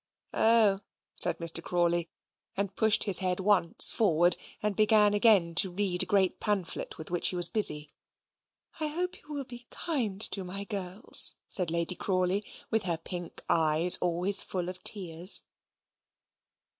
"O!" said Mr. Crawley, and pushed his head once forward and began again to read a great pamphlet with which he was busy. "I hope you will be kind to my girls," said Lady Crawley, with her pink eyes always full of tears.